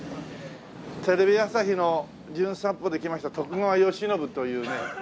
テレビ朝日の『じゅん散歩』で来ました徳川慶喜というね。